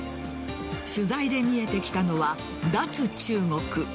取材で見えてきたのは脱中国。